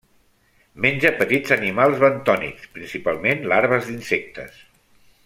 Menja petits animals bentònics, principalment larves d'insectes.